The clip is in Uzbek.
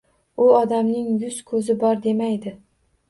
U odamning yuz-ko‘zi bor demaydi